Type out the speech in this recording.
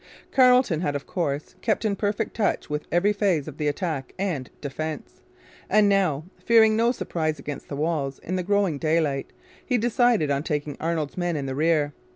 Carleton had of course kept in perfect touch with every phase of the attack and defence; and now, fearing no surprise against the walls in the growing daylight, had decided on taking Arnold's men in rear.